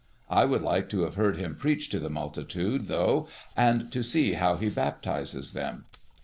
I would like to have heard him preach to the multitude, though, and to see how he baptizes them.